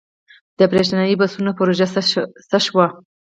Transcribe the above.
د بریښنايي بسونو پروژه څه شوه؟